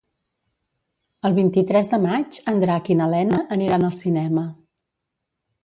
El vint-i-tres de maig en Drac i na Lena aniran al cinema.